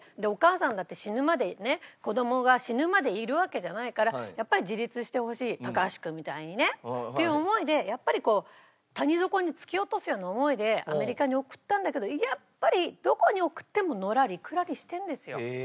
お母さんだって死ぬまでね子供が死ぬまでいるわけじゃないからやっぱり自立してほしい高橋君みたいにね。っていう思いでやっぱりこう谷底に突き落とすような思いでアメリカに送ったんだけどやっぱりどこに送ってものらりくらりしてるんですよ。